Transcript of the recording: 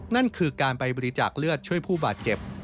นั่นคือการไปบริจาคเลือดช่วยผู้บาดเจ็บ